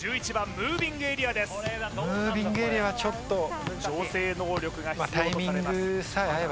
ムービングエリアはちょっと調整能力が必要とされます